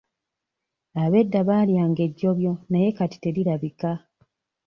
Ab'edda baalyanga ejjobyo naye kati terirabika.